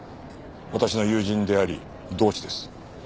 私の友人であり同志です。